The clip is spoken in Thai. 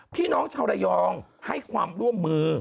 พี่น้องชาวระยองให้ความร่วมมือ